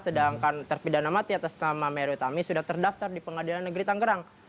sedangkan terpidana mati atas nama mary utami sudah terdaftar di pengadilan negeri tanggerang